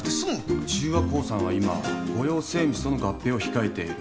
十和興産は今五洋精密との合併を控えている。